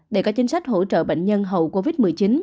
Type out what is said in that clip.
để có chính sách hỗ trợ bệnh nhân hậu covid một mươi chín